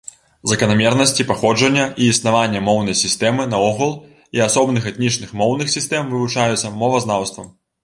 Заканамернасці паходжання і існавання моўнай сістэмы наогул і асобных этнічных моўных сістэм вывучаюцца мовазнаўствам.